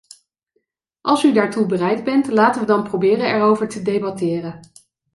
Als u daartoe bereid bent, laten we dan proberen erover te debatteren.